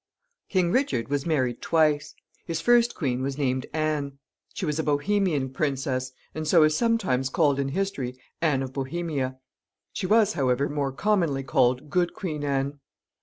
King Richard was married twice. His first queen was named Anne. She was a Bohemian princess, and so is sometimes called in history Anne of Bohemia. She was, however, more commonly called Good Queen Anne.